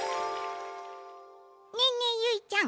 ねえねえゆいちゃん